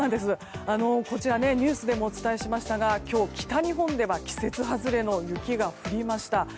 ニュースでもお伝えしましたが今日、北日本では季節外れの雪が降りました。